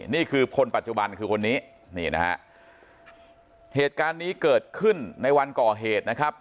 นี่คือคนปัจจุบันคือคนนี้นี่นะฮะเหตุการณ์นี้เกิดขึ้นในวันก่อเหตุนะครับ